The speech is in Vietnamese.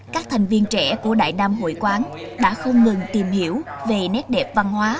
các thành viên trẻ của đại nam hội quán đã không ngừng tìm hiểu về nét đẹp văn hóa